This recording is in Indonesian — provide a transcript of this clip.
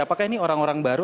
apakah ini orang orang baru